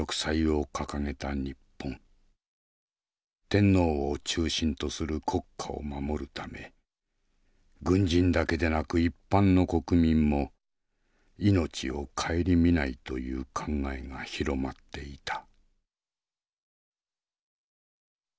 天皇を中心とする国家を守るため軍人だけでなく一般の国民も命を顧みないという考えが広まっていた。